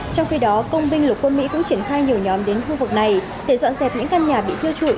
trong khi đó công binh lục quân mỹ cũng triển khai nhiều nhóm đến khu vực này để dọn dẹp những căn nhà bị thiêu trụi